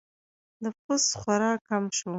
نفوس خورا کم شو